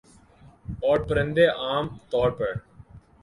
اورپرندے عام طور پر